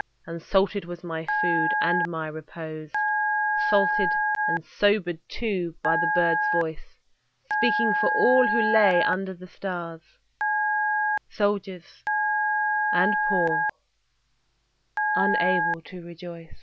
And salted was my food, and my repose, Salted and sobered too, by the bird's voice Speaking for all who lay under the stars, Soldiers and poor, unable to rejoice.